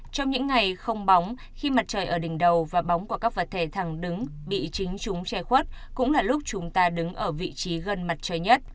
trong những ngày không bóng khi mặt trời ở đỉnh đầu và bóng của các vật thể thẳng đứng bị chính chúng che khuất cũng là lúc chúng ta đứng ở vị trí gần mặt trời nhất